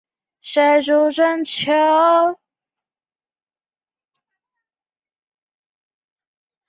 已除名建筑单独列出。